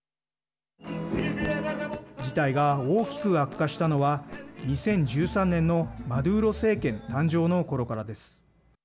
事態が大きく悪化したのは２０１３年のマドゥーロ政権誕生のころからです。